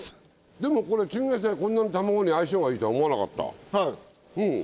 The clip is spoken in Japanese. でもこれチンゲンサイがこんなに卵に相性がいいとは思わなかった。